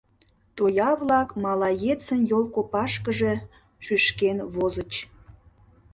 Тоя-влак малаецын йол копашкыже шӱшкен возыч.